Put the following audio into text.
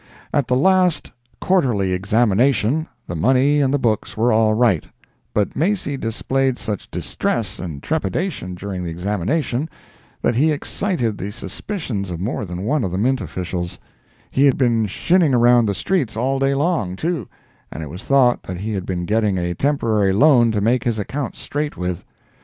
At the last quarterly examination the money and the books were all right, but Macy displayed such distress and trepidation during the examination that he excited the suspicions of more than one of the mint officials; he had been shinning around the streets all day long, too, and it was thought that he had been getting a temporary loan to make his accounts straight with.